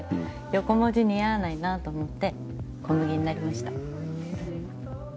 横文字似合わないなと思って「こむぎ」になりました。